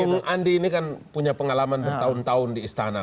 bung andi ini kan punya pengalaman bertahun tahun di istana